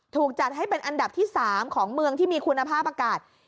ถูกจัดให้เป็นอันดับที่๓ของเมืองที่มีคุณภาพอากาศ